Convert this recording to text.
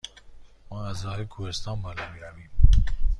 ما از راه کوهستان بالا می رویم؟